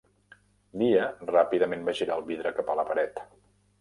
Liah ràpidament va girar el vidre cap a la paret.